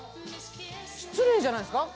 失礼じゃないですか？